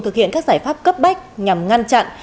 thực hiện các giải pháp cấp bách nhằm ngăn chặn